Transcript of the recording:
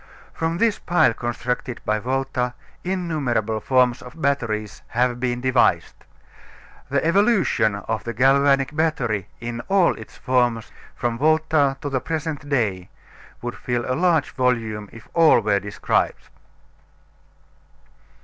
From this pile constructed by Volta innumerable forms of batteries have been devised. The evolution of the galvanic battery in all its forms, from Volta to the present day, would fill a large volume if all were described.